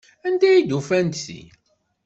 Anda ay d-ufant ti?